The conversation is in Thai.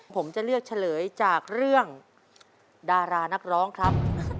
ผมจะเลือกเฉลยจากเรื่องดารานักร้องครับ